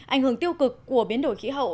ảnh hưởng tiêu cực của biến đổi khí hậu